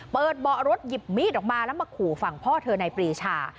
เบาะรถหยิบมีดออกมาแล้วมาขู่ฝั่งพ่อเธอในปรีชา